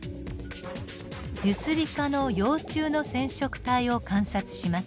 ユスリカの幼虫の染色体を観察します。